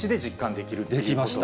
できました。